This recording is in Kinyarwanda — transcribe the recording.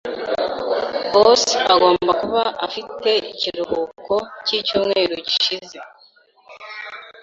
Bos agomba kuba afite ikiruhuko cyicyumweru gishize.